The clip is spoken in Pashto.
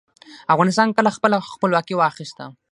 افغانستان کله خپله خپلواکي واخیسته؟